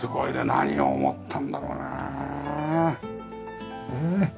何を思ったんだろうね。